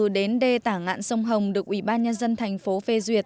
đến đê tả ngạn sông hồng được ủy ban nhân dân thành phố phê duyệt